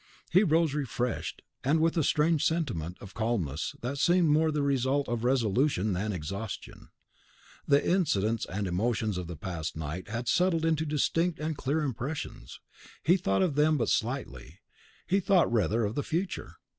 He rose refreshed, and with a strange sentiment of calmness that seemed more the result of resolution than exhaustion. The incidents and emotions of the past night had settled into distinct and clear impressions. He thought of them but slightly, he thought rather of the future.